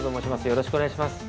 よろしくお願いします。